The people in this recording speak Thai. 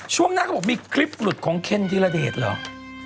ช่วงหน้าก็บอกว่ามีคลิปหลุดของเคนทิราเดชเหรอ